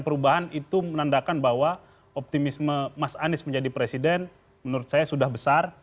perubahan itu menandakan bahwa optimisme mas anies menjadi presiden menurut saya sudah besar